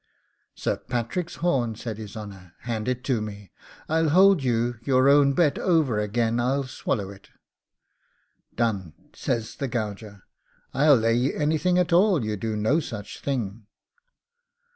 'Sir Patrick's horn!' said his honour; 'hand it to me: I'll hold you your own bet over again I'll swallow it.' 'Done,' says the gauger; 'I'll lay ye anything at all you do no such thing.